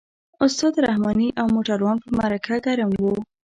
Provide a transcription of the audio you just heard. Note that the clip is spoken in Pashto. استاد رحماني او موټروان په مرکه ګرم وو.